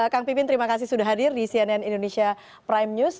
kang pipin terima kasih sudah hadir di cnn indonesia prime news